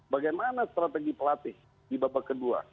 bagaimana strategi pelatih di babak kedua